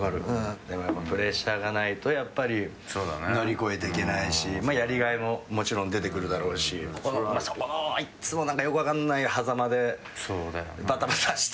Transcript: でもプレッシャーがないと乗り越えていけないしやりがいももちろん出てくるだろうしいつもよく分かんないはざまでばたばたしてるよね。